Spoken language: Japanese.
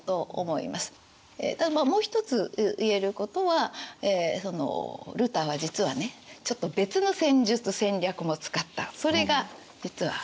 ただまあもう一つ言えることはルターは実はねちょっと別の戦術戦略も使ったそれが実はこれなの。